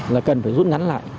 là cần phải rút ngắn lại